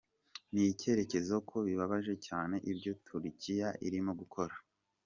"Ntekereza ko bibabaje cyane ibyo Turukiya irimo gukora.